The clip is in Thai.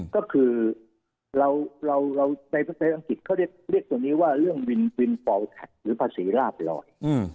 ก็คือเราในประเทศอังกฤษเขาเรียกตัวนี้ว่าเรื่องวินวินปอลแท็กหรือภาษีลาบลอย